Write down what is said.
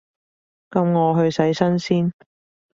噉我去洗身先